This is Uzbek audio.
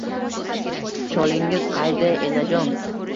— Cholingiz qayda, enajon?